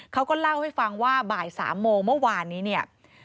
เขาก็เล่าให้ฟังว่าบ่าย๓โมงเมื่อวานนี้เนี่ย